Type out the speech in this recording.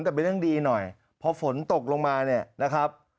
แต่เป็นเรื่องดีหน่อยพอฝนตกลงมาเนี่ยนะครับ